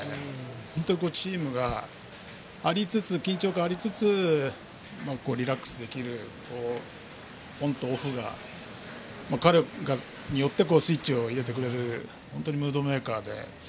本当にチームに緊張感がありつつリラックスできるオンとオフが彼によってスイッチを入れてくれるムードメーカーで。